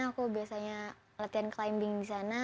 aku biasanya latihan climbing disana